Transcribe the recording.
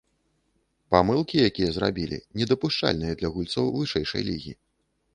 Памылкі, якія зрабілі, недапушчальныя для гульцоў вышэйшай лігі.